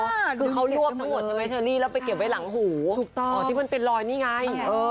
ตัวเขาลวกเลยใช่ไหมฉลิแล้วเป็นอะไรหูที่เป็นรอยนี่ไง